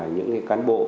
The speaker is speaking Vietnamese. những cái cán bộ